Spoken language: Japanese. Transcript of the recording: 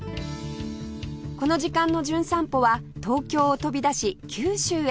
この時間の『じゅん散歩』は東京を飛び出し九州へ